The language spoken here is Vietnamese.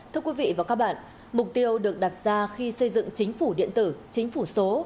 thưa quý vị và các bạn mục tiêu được đặt ra khi xây dựng chính phủ điện tử chính phủ số